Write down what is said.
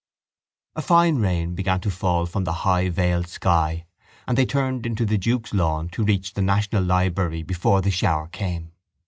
A fine rain began to fall from the high veiled sky and they turned into the duke's lawn to reach the national library before the shower came.